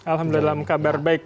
alhamdulillah kabar baik